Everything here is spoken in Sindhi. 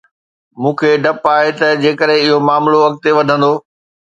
مون کي ڊپ آهي ته جيڪڏهن اهو معاملو اڳتي وڌندو.